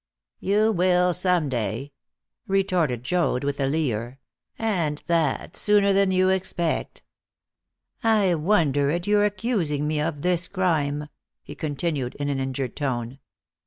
"You will some day," retorted Joad with a leer, "and that sooner than you expect. I wonder at your accusing me of this crime," he continued in an injured tone.